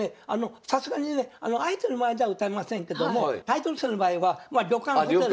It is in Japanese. さすがにね相手の前では歌いませんけどもタイトル戦の場合は旅館ホテル。